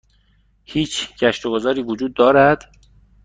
هیچ گشت و گذاری وجود دارد؟